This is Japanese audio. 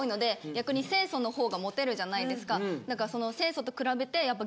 逆に清楚の方がモテるじゃないですか。